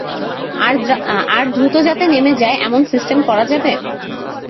আর দ্রুত যাতে নেমে যায় এমন সিস্টেম করা যাবে?